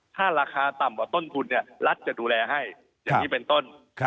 ถ้าราคาต่ำกว่าต้นทุนรัฐจะดูแลให้อย่างนี้เป็นต้น